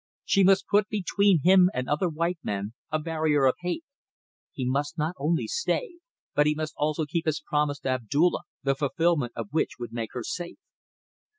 She must put between him and other white men a barrier of hate. He must not only stay, but he must also keep his promise to Abdulla, the fulfilment of which would make her safe.